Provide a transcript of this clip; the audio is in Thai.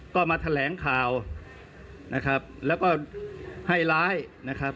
ก็มาแถลงข่าวนะครับแล้วก็ให้ร้ายนะครับ